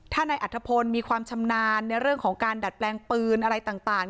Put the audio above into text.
ถ้านายอัธพลมีความชำนาญในเรื่องของการดัดแปลงปืนอะไรต่าง